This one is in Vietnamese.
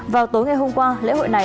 vào tối ngày hôm qua lễ hội này